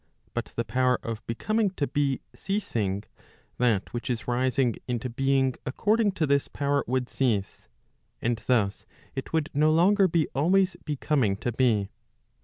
But the power of becoming to be ceasing, that which is rising into being according to this power would cease, and thus it would no longer be always becoming to be.